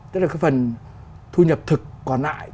tức là cái phần thu nhập thực còn lại